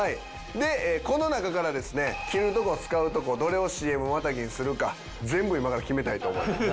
でこの中からですね切るとこ使うとこどれをＣＭまたぎにするか全部今から決めたいと思います。